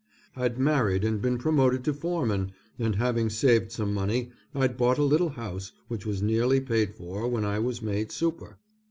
I'd married and been promoted to foreman, and having saved some money I'd bought a little house which was nearly paid for when I was made super.